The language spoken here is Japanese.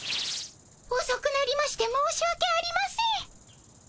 おそくなりまして申しわけありません。